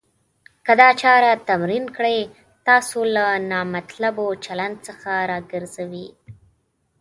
که دا چاره تمرین کړئ. تاسو له نامطلوب چلند څخه راګرځوي.